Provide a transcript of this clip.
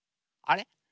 あれ？